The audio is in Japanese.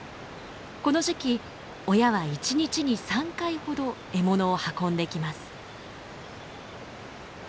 この時期親は１日に３回ほど獲物を運んできます。